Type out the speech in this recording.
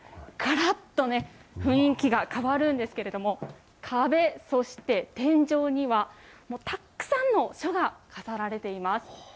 がらっと雰囲気が変わるんですけれども、壁そして天井には、たくさんの書が飾られています。